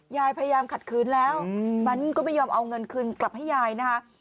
ยายพยายามขัดขืนแล้วมันก็ไม่ยอมเอาเงินคืนกลับให้ยายนะคะ